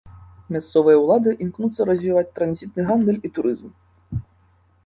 Мясцовыя ўлады імкнуцца развіваць транзітны гандаль і турызм.